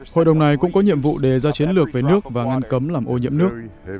hội đồng này cũng có nhiệm vụ đề ra chiến lược về nước và ngăn cấm làm ô nhiễm nước